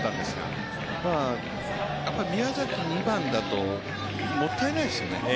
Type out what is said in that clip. ２番だともったいないですよね。